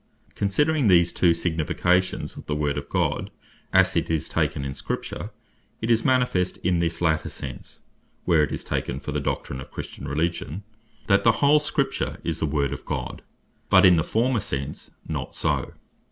(1 Tim. 4.1.) Considering these two significations of the WORD OF GOD, as it is taken in Scripture, it is manifest in this later sense (where it is taken for the Doctrine of the Christian Religion,) that the whole scripture is the Word of God: but in the former sense not so.